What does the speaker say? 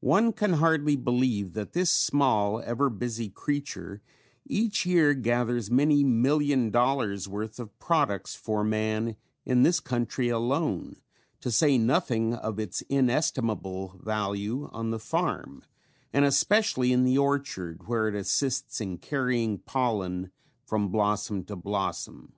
One can hardly believe that this small, ever busy creature each year gathers many million dollars worth of products for man in this country alone to say nothing of its inestimable value on the farm and especially in the orchard, where it assists in carrying pollen from blossom to blossom.